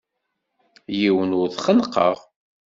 Yiwen ur t-xennqeɣ.